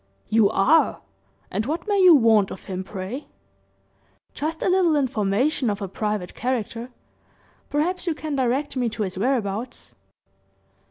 "You are! And what may you want of him, pray?" "Just a little information of a private character perhaps you can direct me to his whereabouts."